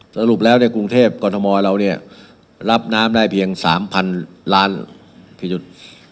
สรุปแล้วในกรุงเทพกรทมเราเนี่ยรับน้ำได้เพียง๓๐๐๐ล้านกี่จุด